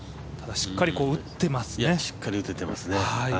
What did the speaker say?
しっかり打ててますね。